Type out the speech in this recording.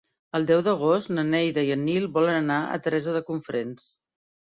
El deu d'agost na Neida i en Nil volen anar a Teresa de Cofrents.